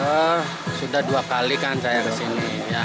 ya sudah dua kali kan saya kesini